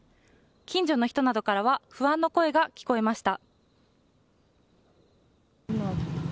近所の人などから不安の声が聞こえました。